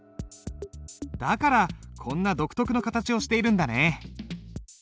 だからこんな独特の形をしているんだね。